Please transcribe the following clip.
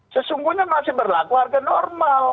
sesungguhnya masih berlaku harga normal